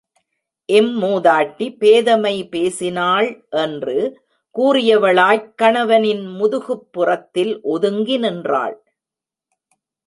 இம்மூதாட்டி பேதைமை பேசினாள் என்று கூறியவளாய்க் கணவனின் முதுகுபுறத்தில் ஒதுங்கி நின்றாள்.